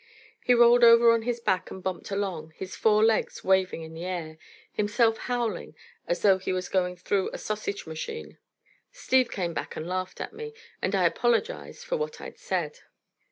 He rolled over on his back and bumped along, his four legs waving in the air, himself howling as though he was going through a sausage machine. Steve came back and laughed at me, and I apologized for what I'd said.